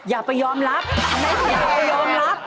อย่าไปยอมรับอย่าไปยอมรับ